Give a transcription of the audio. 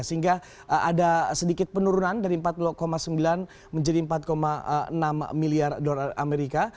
sehingga ada sedikit penurunan dari empat sembilan menjadi empat enam miliar dolar amerika